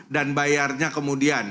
dan bayarnya kemudian